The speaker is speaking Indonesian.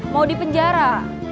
mau di penjara